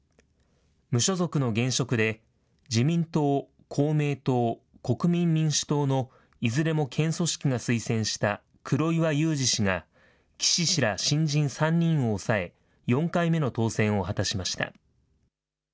無所属の現職で自民党、公明党、国民民主党のいずれも県組織が推薦した黒岩祐治氏が岸氏ら新人３人を抑え、４回目の当選を果たしました。